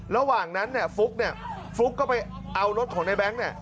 ระหว่างนั้นเนี่ยฟลุ๊กเนี่ยฟลุ๊กก็ไปเอารถของในแบงค์เนี่ย